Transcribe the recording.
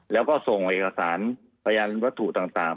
แล้วก็ส่งเอกสารพยานวัตถุต่าง